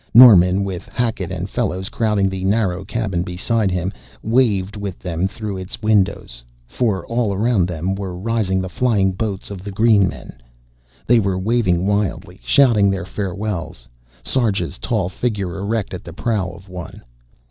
Norman, with Hackett and Fellows crowding the narrow cabin beside him, waved with them through its windows. For all around them were rising the flying boats of the green men. They were waving wildly, shouting their farewells, Sarja's tall figure erect at the prow of one.